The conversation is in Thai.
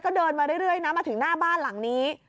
ก็เดินมาเรื่อยนะมาถึงหน้าบ้านหลังนี้